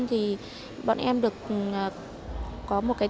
thì bọn em được có một cái tính